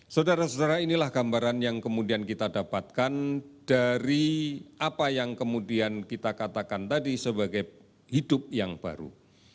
saudara saudara inilah gambaran yang kemudian kita dapatkan dari apa yang kemudian kita katakan tadi sebagai hidup yang baru